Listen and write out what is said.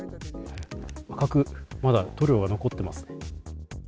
赤く、まだ塗料が残ってますね。